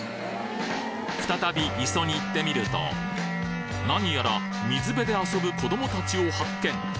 再び磯に行ってみるとなにやら水辺で遊ぶ子どもたちを発見！